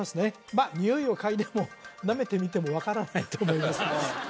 まあにおいをかいでもなめてみても分からないと思います